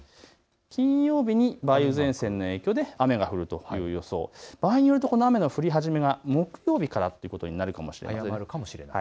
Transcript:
金曜日に梅雨前線の影響で雨が降るという予想、場合によるとこの雨が降り始めが木曜日から降ることになるかもしれません。